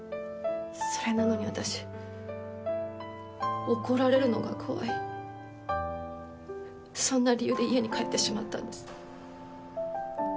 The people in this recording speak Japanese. それなのに私怒られるのが怖いそんな理由で家に帰ってしまったんです。